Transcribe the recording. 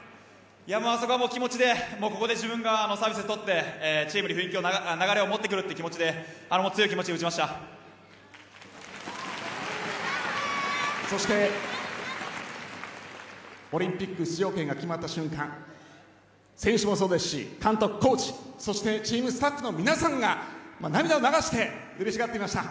あそこは気持ちで自分がサービスを取ってチームに流れを持ってくる気持ちでそしてオリンピック出場権が決まった瞬間選手もそうですし、監督、コーチそしてチームスタッフの皆さんが涙を流してうれしがっていました。